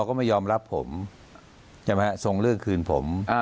แค่ไม่ยอมรับผมใช่ไหมทรงเลือกคืนผม